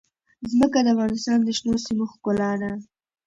ځمکه د افغانستان د شنو سیمو ښکلا ده.